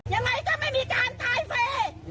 อย่างไรก็ไม่มีการตายไป